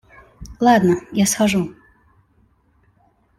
Ладно, я схожу.